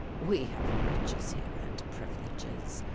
We have riches here and privileges.